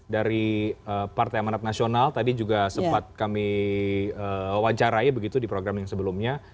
dari partai amanat nasional tadi juga sempat kami wawancarai begitu di program yang sebelumnya